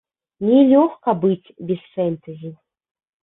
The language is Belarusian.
Не лёгка быць без фэнтэзі.